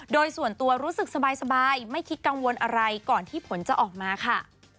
โดยส่วนตัวรู้สึกสบายไม่คิดกังวลอะไรก่อนที่ผลจะออกมาค่ะ